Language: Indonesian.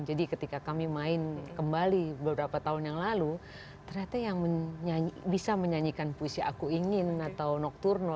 jadi ketika kami main kembali beberapa tahun yang lalu ternyata yang bisa menyanyikan puisi aku ingin atau nokturno